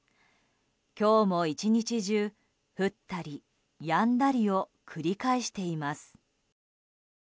今日も１日中降ったりやんだりを繰り返しています。